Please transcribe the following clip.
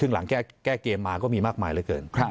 ซึ่งหลังแก้เกมมาก็มีมากมายเหลือเกิน